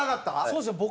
そうですね